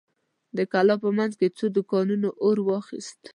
د کلا په مينځ کې څو دوکانونو اور واخيست.